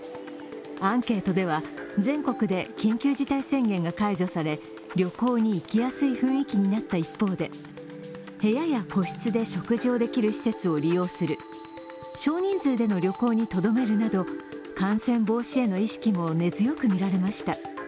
アンケートでは全国で緊急事態宣言が解除され旅行に行きやすい雰囲気になった一方で部屋や個室で食事をできる施設を利用する、少人数での旅行にとどめるなど感染防止への意識も根強く見られました。